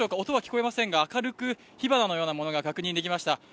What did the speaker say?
音は聞こえませんが、明るく火花のようなものが確認できました。